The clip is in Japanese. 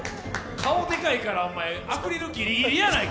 顔でかいから、おまえ、アクリルぎりぎりやないか。